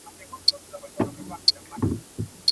ما درکړي تا ته سترګي چي مي ووینې پخپله.